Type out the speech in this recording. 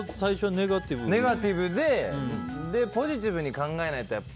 ネガティブでポジティブに考えないと。